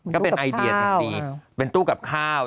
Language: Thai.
ก็เป็นไอเดียอย่างดีเป็นตู้กับข้าว